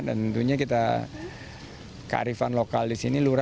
dan tentunya kita kearifan lokal di sini lurah